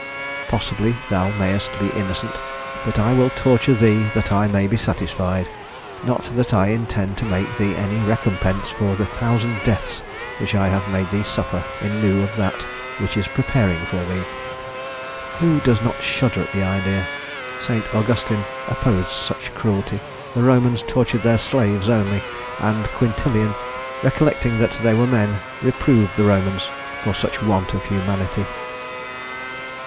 'Possibly thou mayest be innocent; but I will torture thee that I may be satisfied; not that I intend to make thee any recompense for the thousand deaths which I have made thee suffer in lieu of that which is preparing for thee.' Who does not shudder at the idea? St. Augustin opposed such cruelty. The Romans tortured their slaves only; and Quintilian, recollecting that they were men, reproved the Romans for such want of humanity."